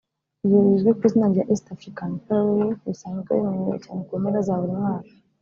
Ibirori bizwi ku izina rya East African Party bisanzwe bimenyerewe cyane ku mpera za buri mwaka